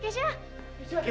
kay disini ada sih hasilnya